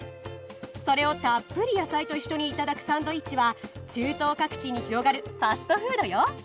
それをたっぷり野菜と一緒にいただくサンドイッチは中東各地に広がるファストフードよ。